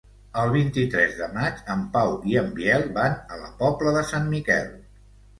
El vint-i-tres de maig en Pau i en Biel van a la Pobla de Sant Miquel.